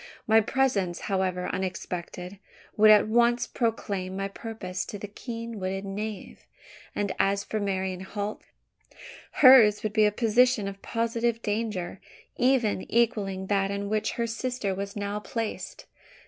My presence, however unexpected, would at once proclaim my purpose to the keen witted knave; and as for Marian Holt, hers would be a position of positive danger even equalling that in which her sister was now placed.